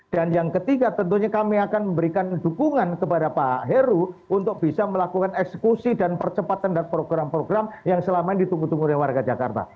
dan yang ketiga tentunya kami akan memberikan dukungan kepada pak heru untuk bisa melakukan eksekusi dan percepatan dan program program yang selama ini ditunggu tunggu dari warga jakarta